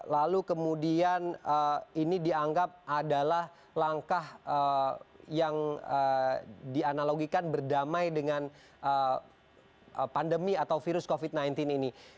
lalu kemudian ini dianggap adalah langkah yang dianalogikan berdamai dengan pandemi atau virus covid sembilan belas ini